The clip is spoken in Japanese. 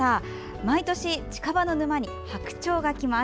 毎年、近場の沼にハクチョウが来ます。